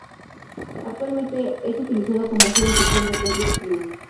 Actualmente es utilizado como sede oficial del Athletic Club.